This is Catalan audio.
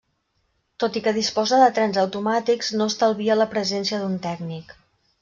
Tot i que disposa de trens automàtics, no estalvia la presència d'un tècnic.